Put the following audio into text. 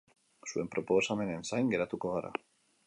Zuen proposamenen zain geratuko gara.